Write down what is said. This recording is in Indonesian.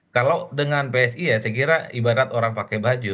kalau dengan psi ya saya kira ibarat orang pakai baju